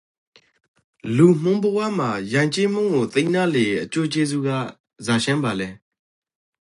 လူမှုဘဝမှာယဥ်ကျေးမှုကိုသိနားလည်ရေအကျိုးကျေးဇူးကဇာချင့်ပါလေ။